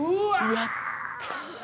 やった！